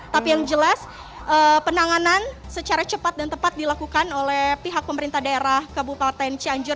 tapi yang jelas penanganan secara cepat dan tepat dilakukan oleh pihak pemerintah daerah kabupaten cianjur